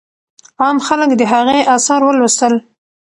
عام خلک د هغې آثار ولوستل.